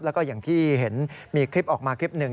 แล้วก็อย่างที่เห็นมีคลิปออกมาคลิปหนึ่ง